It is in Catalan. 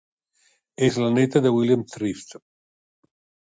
És la neta de William Thrift.